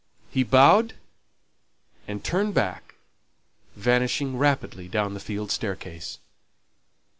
He bowed and turned back, vanishing rapidly down the field staircase.